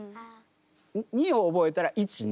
２を覚えたら１２。